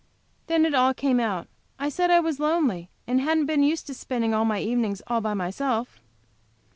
Then it all came out. I said I was lonely, and hadn't been used to spending my evenings all by myself.